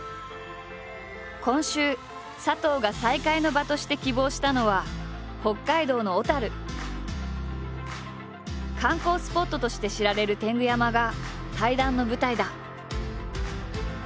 今週佐藤が再会の場として希望したのは観光スポットとして知られる天狗山が対談の舞台だ。